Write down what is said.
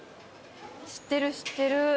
知ってる知ってる。